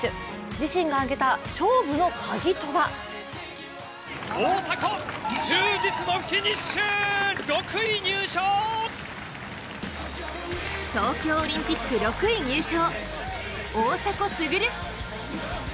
自身が挙げた勝負の鍵とは東京オリンピック６位入賞大迫傑。